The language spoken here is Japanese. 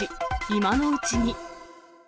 今のうちに。